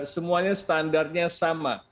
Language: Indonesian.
semuanya standarnya sama